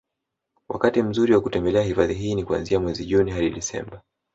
Wakati mzuri wa kutembelea hifadhi hii ni kuanzia mwezi Juni hadi Desemba